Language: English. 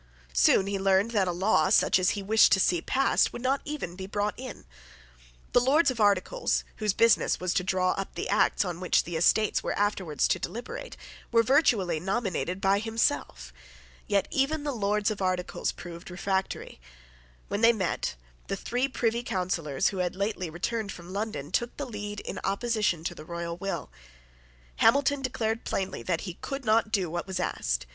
Soon he learned that a law, such as he wished to see passed, would not even be brought in. The Lords of Articles, whose business was to draw up the acts on which the Estates were afterwards to deliberate, were virtually nominated by himself. Yet even the Lords of Articles proved refractory. When they met, the three Privy Councillors who had lately returned from London took the lead in opposition to the royal will. Hamilton declared plainly that he could not do what was asked.